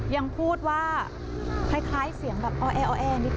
ยังพูดว่าคล้ายเสียงแบบอ้อแอนิด